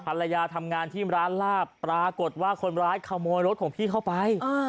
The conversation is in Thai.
ภรรยาทำงานที่ร้านลาบปรากฏว่าคนร้ายขโมยรถของพี่เข้าไป